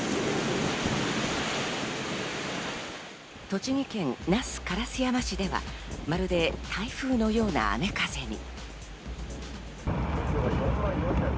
栃木県那須烏山市では、まるで台風のような雨風に。